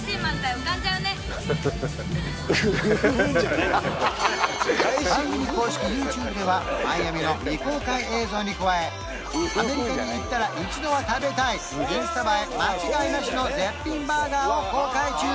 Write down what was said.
番組公式ＹｏｕＴｕｂｅではマイアミの未公開映像に加えアメリカに行ったら一度は食べたいインスタ映え間違いなしの絶品バーガーを公開中要チェック！